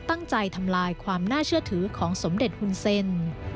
ตั้งใจทำลายความน่าเชื่อถือของสมเด็จหุ่นเซ็น